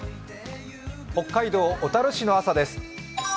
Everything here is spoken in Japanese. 北海道小樽市の朝です。